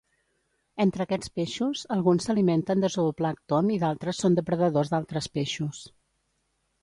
Entre aquests peixos, alguns s'alimenten de zooplàncton i d'altres són depredadors d'altres peixos.